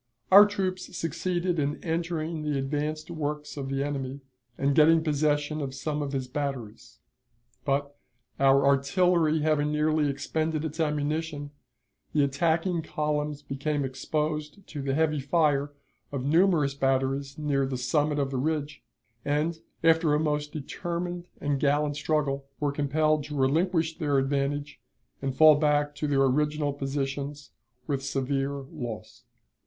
Our troops succeeded in entering the advanced works of the enemy, and getting possession of some of his batteries; but, our artillery having nearly expended its ammunition, the attacking columns became exposed to the heavy fire of the numerous batteries near the summit of the ridge, and, after a most determined and gallant struggle, were compelled to relinquish their advantage and fall back to their original positions with severe loss.